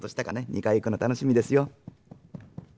二階へ行くの楽しみですよ。